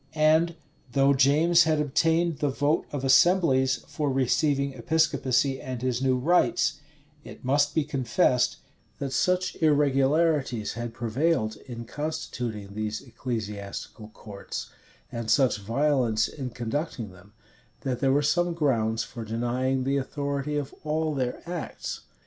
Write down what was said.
And though James had obtained the vote of assemblies for receiving Episcopacy and his new rites; it must be confessed, that such irregularities had prevailed in constituting these ecclesiastical courts, and such violence in conducting them, that there were some grounds for denying the authority of all their acts.